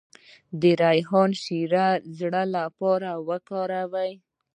د ریحان شیره د زړه لپاره وکاروئ